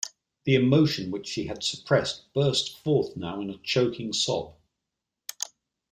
The emotion which she had suppressed burst forth now in a choking sob.